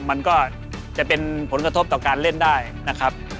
มันก็จะเป็นผลกระทบต่อการเล่นได้นะครับ